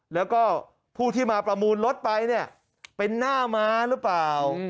แล้วก็ผู้ที่มาประมูลรถไปเนี่ยเป็นหน้าม้าหรือเปล่า